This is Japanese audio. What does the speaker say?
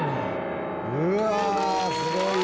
うわすごいわ。